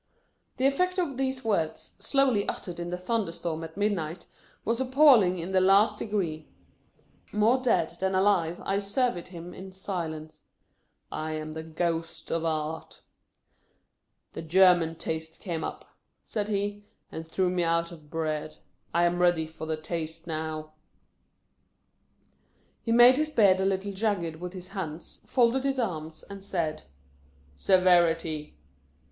The effect of these words, slowly uttered in the thunderstorm at midnight, was appalling in the last degree. More dead than alive, I surveyed him in silence. " The German taste came up," said he, " and threw me out of bread. I am ready for the taste now." He made his beard a little jagged with his hands, folded his arms, and said, " Severity